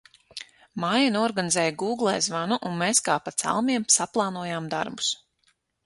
Maija noorganizē Gūgle zvanu, un mēs kā pa celmiem saplānojam darbus.